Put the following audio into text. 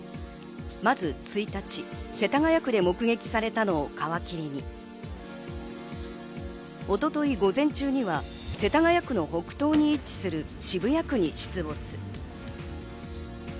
まず１日、世田谷区で目撃されたのを皮切りに、一昨日、午前中には世田谷区の北東に位置する渋谷区に出没。